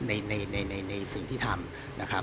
ในสิ่งที่ทำ